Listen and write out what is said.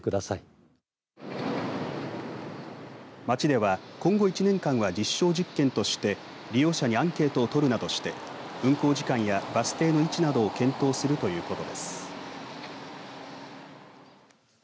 町では今後１年間は実証実験として利用者にアンケートを取るなどして運行時間やバス停の位置などを検討するということです。